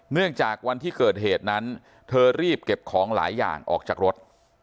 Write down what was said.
เนื่องจากวันที่เกิดเหตุนั้นเธอรีบเก็บของหลายอย่างออกจากรถ